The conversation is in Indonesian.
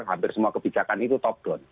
hampir semua kebijakan itu top down